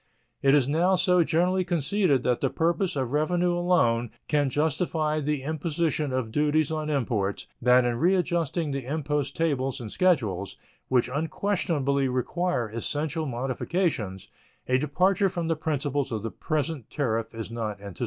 It is now so generally conceded that the purpose of revenue alone can justify the imposition of duties on imports that in readjusting the impost tables and schedules, which unquestionably require essential modifications, a departure from the principles of the present tariff is not anticipated.